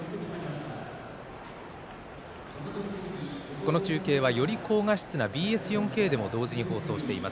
この中継はより高画質なＢＳ４Ｋでも放送しています。